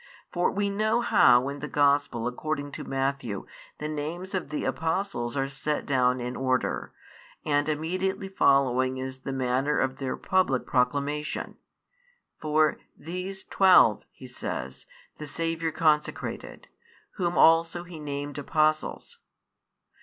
For we know how in the Gospel according to Matthew the names of the Apostles are set down in order, and immediately following is the manner of their public proclamation: for. These twelve, he says, the Saviour consecrated; whom also He named Apostles.